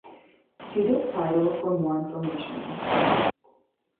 See this title for more information.